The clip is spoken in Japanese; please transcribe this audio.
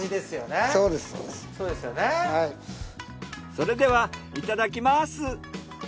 それではいただきます。